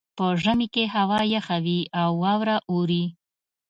په ژمي کې هوا یخه وي او واوره اوري